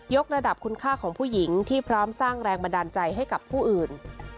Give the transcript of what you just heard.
กระดับคุณค่าของผู้หญิงที่พร้อมสร้างแรงบันดาลใจให้กับผู้อื่น